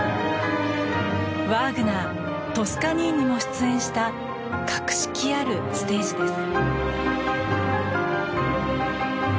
ワーグナートスカニーニも出演した格式あるステージです。